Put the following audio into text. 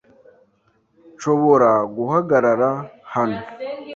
Nshobora guhagarara hano?